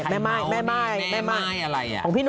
แม่ม้ายคงมีแม่ม้ายอะไร